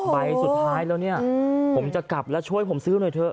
ใบสุดท้ายแล้วเนี่ยผมจะกลับแล้วช่วยผมซื้อหน่อยเถอะ